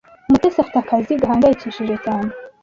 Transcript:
Mutesi afite akazi gahangayikishije cyane.